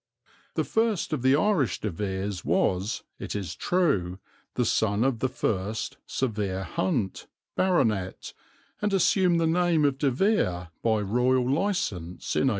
The first of the Irish De Veres was, it is true, the son of the first Sir Vere Hunt, baronet, and assumed the name of De Vere by Royal License in 1832.